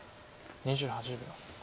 ２８秒。